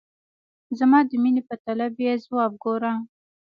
زما د میني په طلب یې ځواب ګوره !